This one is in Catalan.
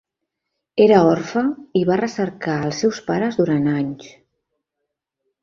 Era orfe i va recercar els seus pares durant anys.